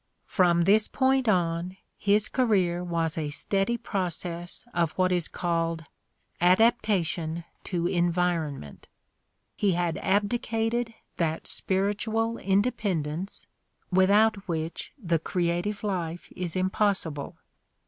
From this point on, his career was a steady process of what is called adaptation to environment. He had ab dicated that spiritual independence without which the creative life is impossible.